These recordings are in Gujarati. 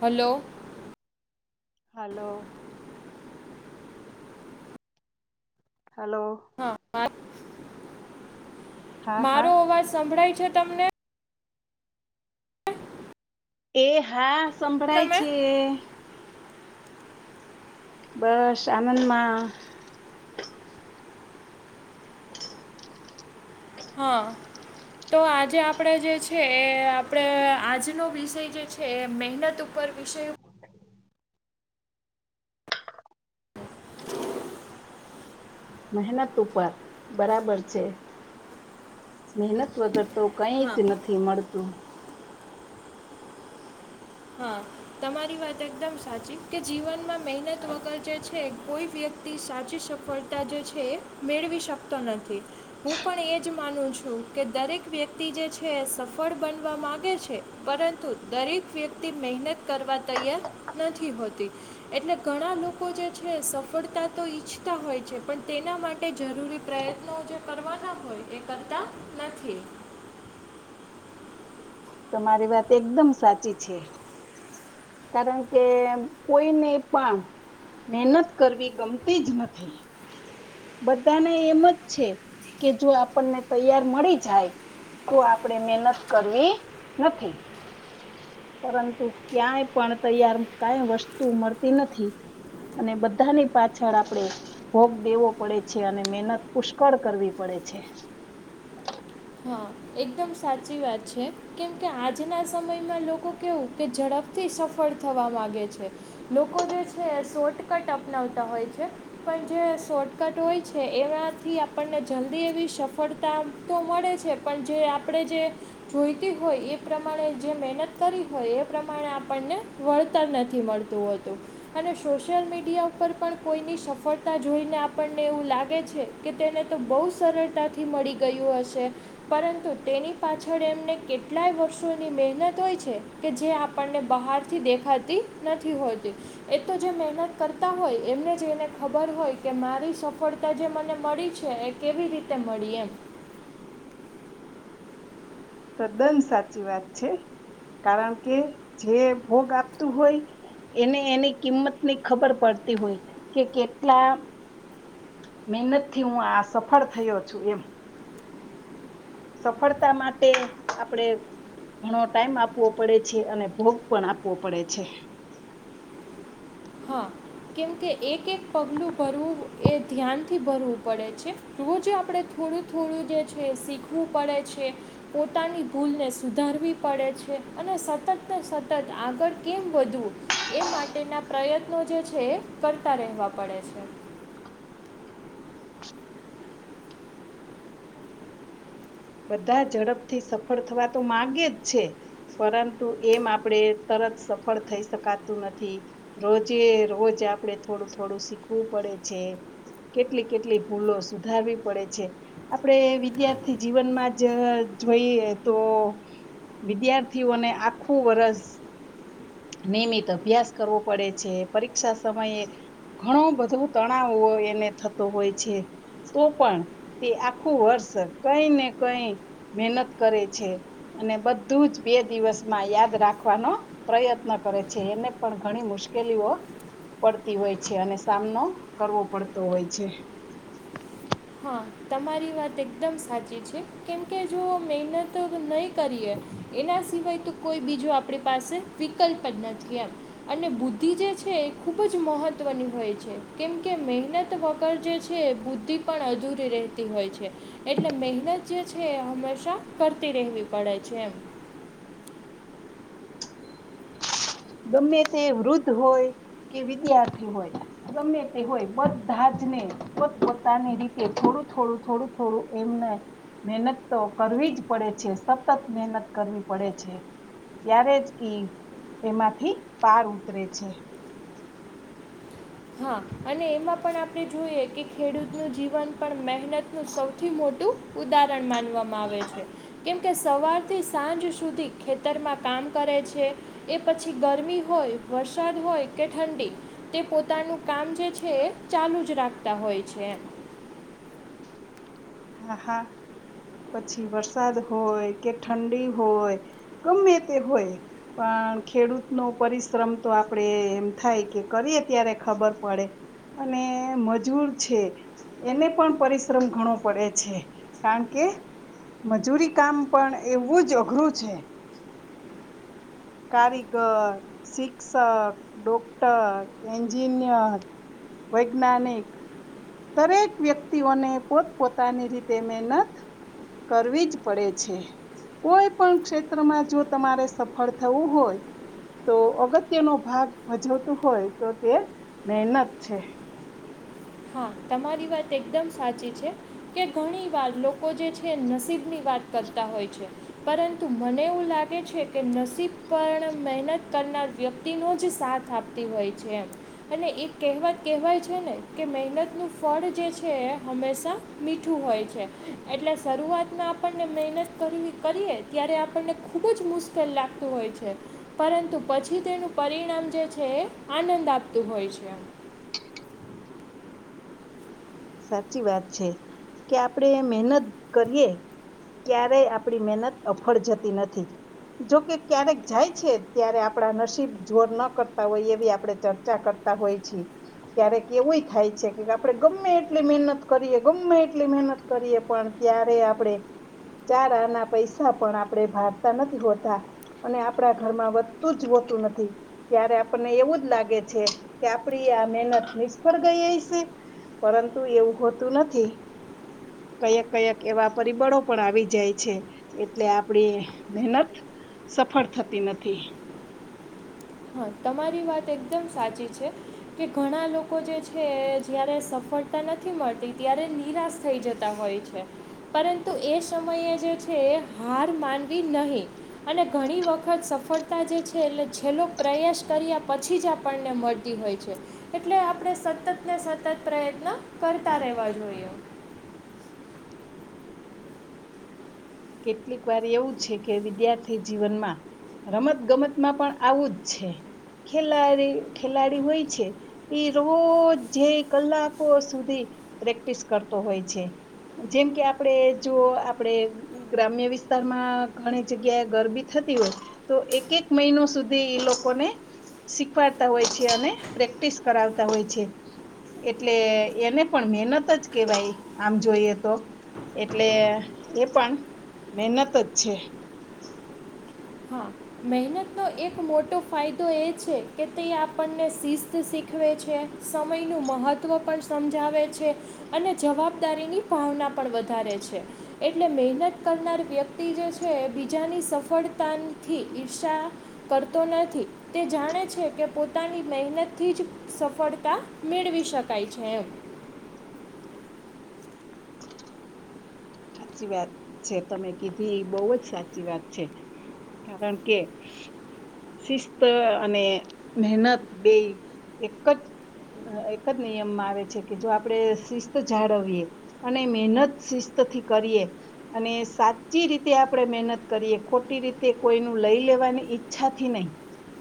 હલો હલો હલો હા મારુ હા મારો હા અવાજ સંભળાય છે તમને એ હા સંભળાય તમે છે બસ એમનમાં હા તો આજે આપણે જે છે એ આપણે આજનો વિષય છે કે મહેનત ઉપર વિષયો [inaudible] મહેનત ઉપર બરાબર છે મહેનત વગર તો કઈ જ હા નથી મળતું હા તમારી વાત એકદમ સાચી કે જીવનમાં મહેનત વગર જે છે કોઈ તી સાચી સફળતા જે છે એ મેળવી શકતો નથી હું પણ એ જ માનું છું કે દરેક વ્યક્તિ જે છે સફળ બનવા માંગે છે પરંતુ દરેક વ્યક્તિ મહેનત કરવા તૈયાર નથી હોતી એટલે ઘણા લોકો જે છે સફળતા તો ઈચ્છતા હોય છે પણ તેના માટે કે જરૂરી પ્રયત્નો જે કરવાના હોય એ કરતા નથી તમારી વાત એકદમ સાચી છે કારણ કે કોઈને પણ મહેનત કરવી ગમતી જ નથી બધાને એમ જ છે કે જો આપણને તૈયાર મળી જાય કો આપણેે મહેનત કરવી નથી પરંતુ ક્યાંય પણ તૈયાર કાઈ વસ્તુ મળતી નથી અને બધાની પાછળ આપડે ભોગ દેવો પડે છે અને મહેનત પુષ્કળ કરવી પડે છે હા એકદમ સાચી વાત છે કેમ કે આજના સમયમાં લોકો કેવું કે ઝડપથી સફળ થવા માંગે છે લોકો જે છે શોર્ટ કટ અપનાવતા હોય છે પણ જે શોર્ટકટ હોય છે એમાંથી આપણને જલ્દી એવી સફળતા તો મળે જ છે પણ જે આપણે જે જોઈતી હોય એ પ્રમાણે જે મહેનત કરી હોય એ પ્રમાણે આપણને વળતર નથી મળતું હોતું અને સોશિયલ મીડિયા ઉપર પણ કોઈની સફળતા જોઈને આપણને એવું લાગે છે કે તેને તો બહુ સરળતાથી મળી ગયું હશે પરંતુ તેની પાછળ એમને કેટલાય વર્ષોની મહેનત હોય છે. કે જે આપણને બહારથી દેખાતી નથી હોતી. એ તો જે મહેનત કરતા હોય એમને જ એને ખબર હોય કે મારી સફળતા જે મને મળી છે. કેવી રીતે મળી એમ. તદ્દન સાચી વાત છે. કારણ કે જે ભોગ આપતું હોય. એને એની કિંમત ની ખબર પડતી હોય કે કેટલા મહેનતથી હું આ સફળ થયો છું. સફળતા માટે આપડે ઘણો ટાઈમ આપવો પડે છે. અને ભોગ પણ આપવો પડે છે. હા કેમકે એક એક પગલું ભરવું એ ધ્યાનથી ભરવું પડે છે. રોજ આપણે થોડું થોડું જે છે શીખવું પડે છે. પોતાની ભૂલને સુધારવી પડે છે અને સતત ને સતત આગળ કેમ વધવું એ માટેના પ્રયત્નો જે છે એ કરતા રહેવા પડે છે. બધા ઝડપથી સફળ થવા તો માગે જ છે. પરંતુ એમ આપણેે તરત સફળ થઈ શકાતું નથી. રોજે રોજ આપડે થોડું થોડું શીખવું પડે છે. કેટલી કેટલી ભૂલો સુધારવી પડે છે આપડે વિદ્યાર્થી -જીવનમાં જ જોઈએ એ તો વિદ્યાર્થીઓને આખું વર્ષ નિયમિત અભ્યાસ કરવો પડે છે. પરીક્ષા સમયે ઘણો બધો તણાવ હોય એને થતો હોય છે. તો પણ તે આખું વર્ષ કઈ ને કઈ મહેનત કરે છે. અને બધું જ બે દિવસમાં યાદ રાખવાનો પ્રયત્ન કરે છે એને પણ ઘણી મુશ્કેલીઓ પડતી હોય છે અને સામનો કરવો પડતો હોય છે. હા તમારી વાત એકદમ સાચી છે. કેમકે જો મહેનત નહી- કરીએ એના સિવાય તો કોઈ બીજું આપણી પાસે વિકલ્પ જ નથી એમ. અને બુદ્ધિ જે છે એ ખૂબ જ મહત્વની હોય છે કેમ કે મહેનત વગર જે છે બુદ્ધિ પણ અધૂરી રહેતી હોય છે. એટલે મહેનત જે છે એ હંમેશા કરતી રહેવી પડે છે એમ. ગમે તે વૃદ્ધ હોય કે વિદ્યાર્થી હોય. ગમે તે હોય બધા જને પોતપોતાની રીતે થોડું થોડું થોડું થોડું એમને મહેનત તો કરવી જ પડે છે સતત મહેનત કરવી પડે છે. ત્યારેજ તેમાંથી પાર ઉતરે છે. હા અને એમાં પણ આપણે જોઈએ કે ખેડૂત ન જીવન પણ મહેનત નું સૌથી મોટું ઉદાહરણ માનવામાં આવે છે. કેમ કે સવારથી સાંજ સુધી ખેતરમાં કામ કરે છે. એ પછી ગરમી હોય વરસાદ હોય કે ઠંડી તે પોતે પોતાનું કામ જે છે એ ચાલુ જ રાખતા હોય છે. હા હા પછી વરસાદ હોય કે ઠંડી હોય કમે તે હોય. પણ ખેડૂત નો પરિશ્રમ તો આપડે એમ થાય કે કરીએ ત્યારે ખબર પડે. અને મજૂર છે. એને પણ પરિશ્રમ ઘણો- પડે છે કારણ કે મજૂરી કામ પણ એવું જ અઘરું છે કારીગર શિક્ષક ડોક્ટર એન્જિનિય વૈજ્ઞાનિક દરેક વ્યક્તિઓને પોતપ પોોતાની રીતે મહેનત. કરવી જ પડે છે કોઈ પણ ક્ષેત્રમાં જો તમારે સફળ થવું હોય તો અગત્ય નો ભાગ ભજવતું હોય તો તે મહેનત છે હા તમારી વાત એકદમ સાચી છે કે ઘણી વાર લોકો જે છે નસીબની વાત કરતા હોય છે પરંતુ મને એવું લાગે છે કે નસીબ પણ મહેનત કરનાર વ્યક્તિનો જ સાથ આપે તી હોય છે એમ અને એક કહેવાત કહેવાય છે ને કે મહેનતનું ફળ જે છે એ હંમેશાં મીઠું હોય છે, એટલે શરૂઆતના આપણને મહેનત કરવી કરીએ ત્યારે આપણને ખૂબ જ મુશ્કેલ લાગતું હોય છે. પરંતુ પછી તેનું પરિણામ જે છે એ આનંદ આપતું હોય છે. સાચી વાત છે, કે આપડે મહેનત કરીએ ક્યારેય આપણી મહેનત અફળ જતી નથી. જોકે ક્યારેક જાય છે ત્યારે આપણા નસીબ જોર ન કરતા હોય એવી આપડે ચર્ચા કરતા હોય છે, ક્યારે કે એવું થાય છે કે આપડણે ગમે એટલી મહેનત કરીએ ગમેમે એટલી મહેનત કરીએ પણ ત્યારે આપડણે ચારા ના પૈસા પણ આપણે ભડતા નથી હોતા. અને આપણા ઘરમાં વધતું જ હોતું નથી. ત્યારે આપણને એવું જ લાગે છે કે આપડી આ મહેનત નિષ્ફળ ગઈ હ છે. પરંતુ એવું હોતું નથી. કઈક કયક એવા પરિબળો પણ આવી જાય છે. એટલે આપડી મહેનત સફળ થતી નથી. હા તમારી વાત એકદમ સાચી છે. કે ઘણા લોકો જે છે. જયારે સફળતા નથી મળતી ત્યારે નિરાશા થઈ જતા હોય છે. પરંતુ એ સમયે જે છે. હાર માનવી નહી. અને ઘણી વખત સફળતા જે છે. એટલે છેલ્લો પ્રયાસ કર્યા પછી જ આપણને મળતી હોય છે. એટલે આપણે સતત ને સતત પ્રયત્ન કરતા રહેેવા જોઈએ. કેટલીક વાર એવું છે. કે વિદ્યાર્થી જીવનમાં રમત ગમતમાં પણ આવું જ છે, ખેલાડી ખેલાડી હોય છે. એ રોજ કલાકો સુધી, પ્રેક્ટિસ કરતો હોય છે. જેમ કે આપડે જો આપડે ગ્રામ્ય વિસ્તારમાં ઘણી જગ્યાએ ગરબી થતી હોય તો એક એક મહિનો સુધી એ લોકોને શીખવાડતા હોય છે અને પ્રેક્ટિસ કરાવતા હોય છે. એટલે એને પણ મહેનત જ કેવાય, આમ જોઈએ તો એટલે એ પણ, મહેનત જ છે. હા મહેનતનો એક મોટો ફાયદો એ છે કે તે આપણને શિસ્ત શીખવે છે. સમયનું મહત્ત્વ પણ સમજાવે છે અને જવાબદારીની ભાવના પણ વધારે છે. એટલે મહેનત કરનાર વ્યક્તિ જે છે બીજાની સફળતા થી ઈર્ષા કરતો નથી તે જાણે છે કે પોતાની મહેનતથી જ સફળતા મેળવી શકાય છે, એમ સાચી વાત છે, તમે કીધી એ બહુ જ સાચી વાત છે. કારણ કે, શિસ્ત અને મહેનત બે એક જ એક જ નિયમમાં આવે છે કે જો આપડે શિસ્ત જાળવીએ અને મહેનત શિસ્તથી કરીએ અને સાચી રીતે આપણે મહેનત કરીએ ખોટી રીતે કોઈનું લઈ લેવાની ઈચ્છાથી નહીં.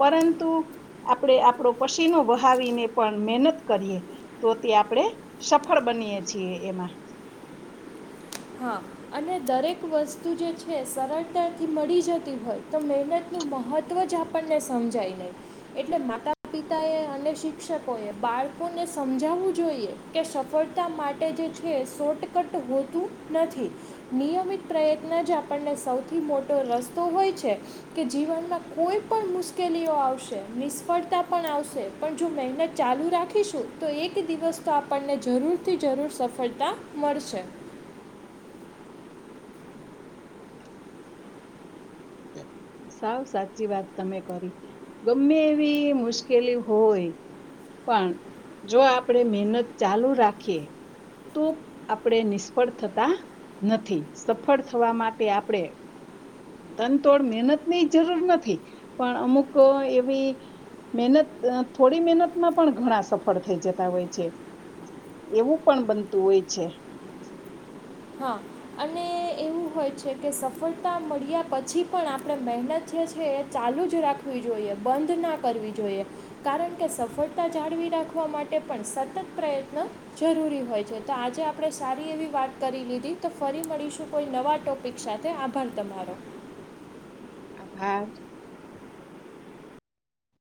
પરંતુ આપણેે આપણો પસીનો બહાવીને પણ મહેનત કરીએ. તો તે આપણે સફળ બનીએ છીએ એમાં. હા અને દરેક વસ્તુ જે છે. સરળતાથી મળી જતી હોય તો મહેનતનું મહત્ત્વ જ આપણને સમજાય નહી. એટલે માતા પિતા એ અને શિક્ષકો એ બાળકોને સમજાવવું જોઈએ. કે સફળતા માટે જે છે. શોર્ટકટ હોતું નથી. નિયમિત પ્રયત્ન જ આપણને સૌથી મોટો રસ્તો હોય છે. કે જીવનમાં કોઈ પણ મુશ્કેલીઓ આવશે નિષ્ફળતા પણ આવશે. પણ જો મહેનત ચાલુ રાખીશું તો એક દિવસ તો આપણને જરૂરથી જરૂર સફળતા મળશે. સાવ સાચી વાત તમે કરી ગમે એવી મુશ્કેલી હોય પણ જો આપણેે મહેનત ચાલુ રાખીએ તો આપણેે નિષ્ફળ થતા નથી. સફળ થવા માટે આપણે તનતોડ મહેનત ની જરૂર નથી પણ અમુક એવી મહેનત થોડી મહેનતમાં પણ ઘણા સફળ થઈ જતા હોય છે. એવું પણ બનતું હોય છે. હા અને એવું હોય છે. કે સફળતા મળ્યા પછી પણ આપણે મહેનત જે છે. એ ચાલુ જ રાખવી જોઈએ બંધ ના કરવી જોઈએ. કારણ કે સફળતા જાળવી રાખવા માટે પણ સતત પ્રયત્ન જરૂરી હોય છે તો આજે આપણે સારી એવી વાત કરી લીધી તો ફરી મળીશું કોઈ નવા ટૉપિક સાથે આભાર તમારો. આભાર